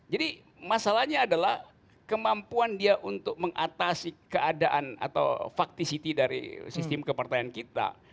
jadi masalahnya adalah kemampuan dia untuk mengatasi keadaan atau faktisiti dari sistem kepartaian kita